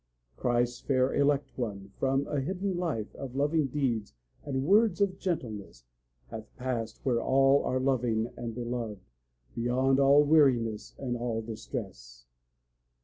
Christ's fair elect one, from a hidden life Of loving deeds and words of gentleness, Hath passed where all are loving and beloved, Beyond all weariness and all distress.